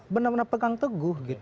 benar benar pegang teguh